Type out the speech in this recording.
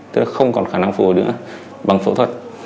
tức là không còn khả năng phổ hồi nữa bằng phẫu thuật